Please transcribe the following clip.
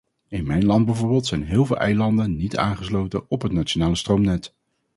In mijn land bijvoorbeeld zijn heel veel eilanden niet aangesloten op het nationale stroomnet.